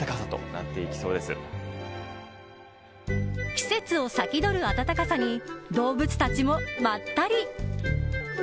季節を先取る暖かさに動物たちもまったり。